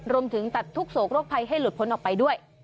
รวมถึงตัดทุกโศกโรคภัยให้หลุดพ้นออกไปด้วย